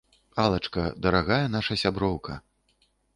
Алачка, дарагая наша сяброўка!